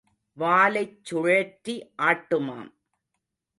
வாலைச் சுழற்றி ஆட்டுமாம்.